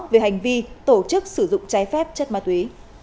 về hành vi tổ chức sử dụng trái phép chất ma túy